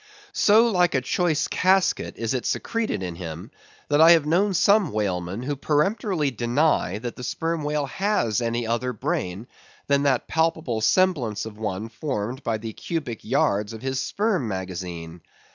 So like a choice casket is it secreted in him, that I have known some whalemen who peremptorily deny that the Sperm Whale has any other brain than that palpable semblance of one formed by the cubic yards of his sperm magazine.